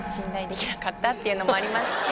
っていうのもありますし。